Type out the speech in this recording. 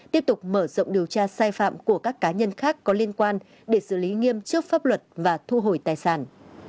điều tra sai phạm của các cá nhân khác có liên quan để xử lý nghiêm trước pháp luật và thu hồi tài sản